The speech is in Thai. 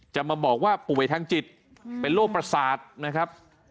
จะมาบอกว่าป่วยทางจิตเป็นโรคประสาทนะครับ